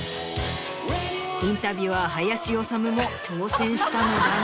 インタビュアー林修も挑戦したのだが。